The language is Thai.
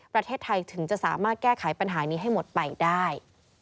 ประเทศไทยถึงจะสามารถแก้ไขปัญหานี้ให้หมดไปได้